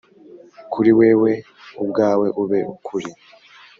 kuri wewe ubwawe ube ukuri